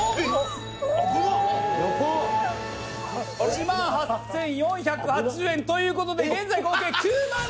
１万８４８０円という事で現在合計９万。